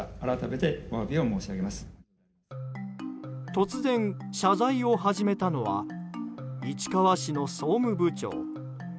突然、謝罪を始めたのは市川市の総務部長。